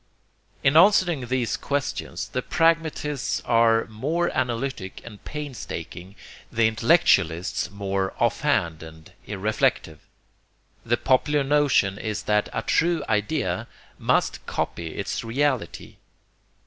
In answering these questions the pragmatists are more analytic and painstaking, the intellectualists more offhand and irreflective. The popular notion is that a true idea must copy its reality.